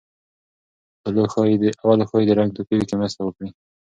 اولو ښايي د رنګ توپیر کې مرسته وکړي.